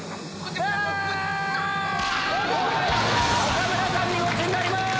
岡村さんにゴチになります！